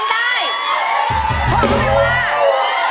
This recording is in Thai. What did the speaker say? พ่อเขาไม่ว่า